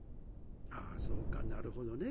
ああそうかなるほどね。